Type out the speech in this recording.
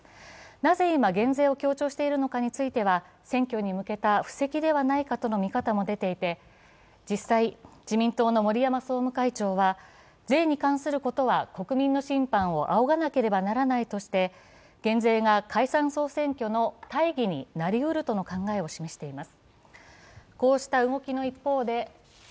なぜ今、減税を強調しているのかについては選挙に向けての布石ではないかとの見方も出ていて実際、自民党の森山総務会長は税に関することは国民の審判をあおがなければならないとして減税が解散総選挙の大義になりうるとしています。